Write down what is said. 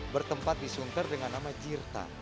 bertempat di sunter dengan nama jirta